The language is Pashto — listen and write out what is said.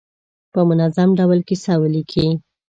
په منظم ډول کیسه ولیکي.